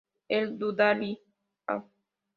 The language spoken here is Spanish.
él dudaría